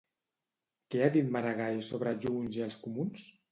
Què ha dit Maragall sobre Junts i els comuns?